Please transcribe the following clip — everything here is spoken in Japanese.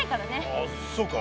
ああそうか。